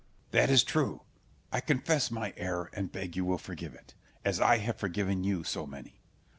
Scip. That is true. I confess my error, and beg you will forgive it, as I have forgiven you so many.